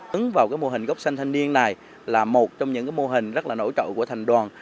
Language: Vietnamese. ứng vào mô hình gốc xanh thanh niên này là một trong những mô hình rất là nổi trội của thành đoàn